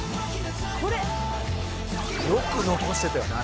「これ！」よく残してたよな足を。